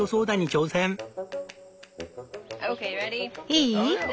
いい？